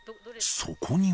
そこには。